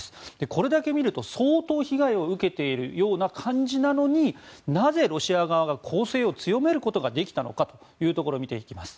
これだけ見ると相当、被害を受けているような感じなのになぜ、ロシア側が攻勢を強めることができたのか見ていきます。